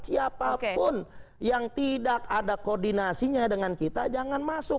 siapapun yang tidak ada koordinasinya dengan kita jangan masuk